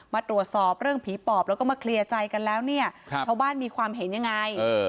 มาตรวจสอบเรื่องผีปอบแล้วก็มาเคลียร์ใจกันแล้วเนี่ยชาวบ้านมีความเห็นยังไง